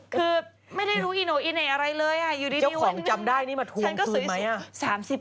คือไม่ได้รู้อีนโออีนอะไรเลยอ่ะอยู่ดีวันนี้เจ้าของจำได้นี่มาทวงคืนไหมอ่ะ